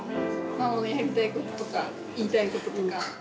ママのやりたいこととか、言いたいこととか。